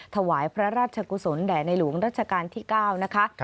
ถวายพระราชกุศลแด่ในหลวงรัชกาลที่๙นะคะ